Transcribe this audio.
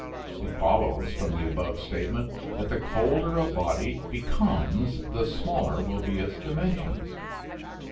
It follows from the above statement that the colder a body becomes the smaller will be its dimensions.